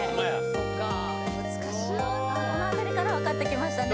そっかこの辺りから分かってきましたね